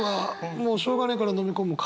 もうしょうがないからのみ込むか。